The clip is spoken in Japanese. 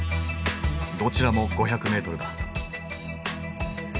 どちらも５００ｍだ。